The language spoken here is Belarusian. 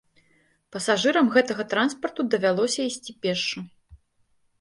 Пасажырам гэтага транспарту давялося ісці пешшу.